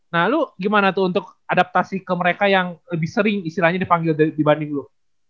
nah lu gimana tuh untuk adaptasi ke mereka yang lebih sering istilahnya dipanggil dibanding lu